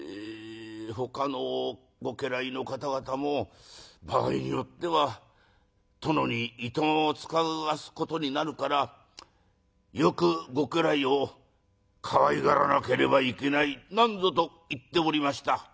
ほかのご家来の方々も場合によっては殿にいとまを遣わすことになるからよくご家来をかわいがらなければいけないなんぞと言っておりました」。